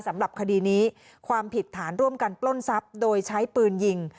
สำหรับคดีนี้ความผิดฐานร่วมกันปล้นทรัพย์โดยใช้ปืนยิง